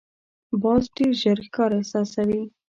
باز ډېر ژر ښکار احساسوي